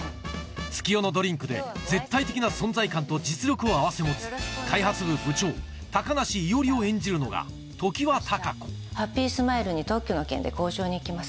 月夜野ドリンクで絶対的な存在感と実力を併せ持つ開発部部長高梨伊織を演じるのが常盤貴子ハッピースマイルに特許の件で交渉に行きます。